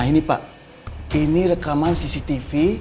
nah ini pak ini rekaman cctv